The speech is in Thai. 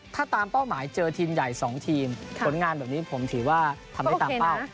ถ้าตามเป้าหมายเจอทีมใหญ่๒ทีมผลงานแบบนี้ผมถือว่าทำได้ตามเป้า